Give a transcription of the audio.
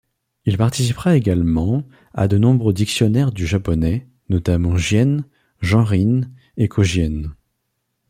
Il participera également à de nombreux dictionnaires du japonais, notamment Jien, Genrin et Kōjien.